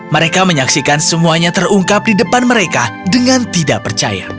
mereka menyaksikan semuanya terungkap di depan mereka dengan tidak percaya